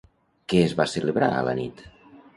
Què es va celebrar a la nit?